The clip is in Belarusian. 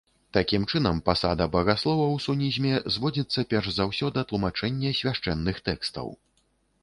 Такім чынам, пасада багаслова ў сунізме зводзіцца перш за ўсё да тлумачэння свяшчэнных тэкстаў.